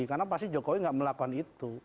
karena pasti jokowi enggak melakukan itu